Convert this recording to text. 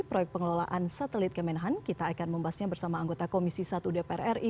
proyek pengelolaan satelit kemenhan kita akan membahasnya bersama anggota komisi satu dpr ri